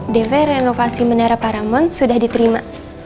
dv renovasi menara paramon sudah diterima